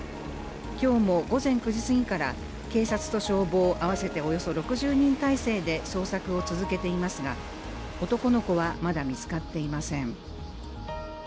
今日も午前９時過ぎから、警察と消防合わせて６０人態勢で捜索を続けていますが男の子はまだ見つかっていません。